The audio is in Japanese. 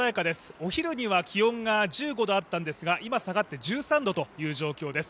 お昼には気温が１５度あったんですが今、下がって１３度という状況です。